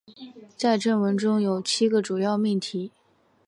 在正文中有七个主要命题。